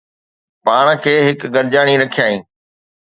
پاڻ هڪ گڏجاڻي رکيائين